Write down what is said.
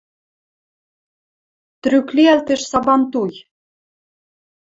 Трӱк лиӓлтеш сабантуй?